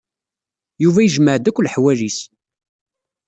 Yuba yejmeɛ-d akk leḥwal-is.